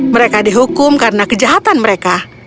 mereka dihukum karena kejahatan mereka